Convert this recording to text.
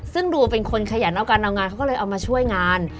ซึ่งดูเป็นคนขยันเอาการเอางานเขาก็เลยเอามาช่วยงาน